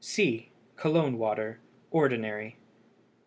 C. COLOGNE WATER (ORDINARY).